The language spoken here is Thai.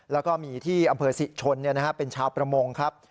แล้วก็มีที่อำเภอศรีชนเป็นชาวประมงครับ